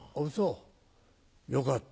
よかった。